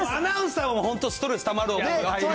アナウンサーも本当、ストレスたまる。